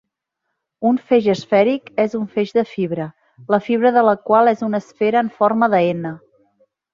Un feix esfèric és un feix de fibra, la fibra de la qual és una esfera en forma de "n".